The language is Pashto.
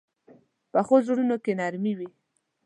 پخو زړونو کې نرمي وي